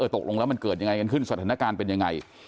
ตกลงแล้วมันเกิดยังไงกันขึ้นสถานการณ์เป็นยังไง